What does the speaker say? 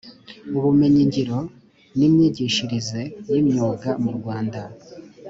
ubumenyingiro n’imyigishirize y’imyuga mu rwanda